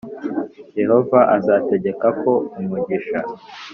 yehova azategeka ko umugisha